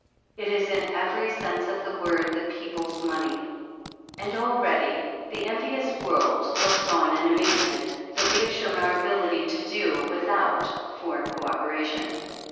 It is in every sense of the word the 'people's money,' and already the envious world looks on in amazement that we have shown our ability to do without ' foreign co operation.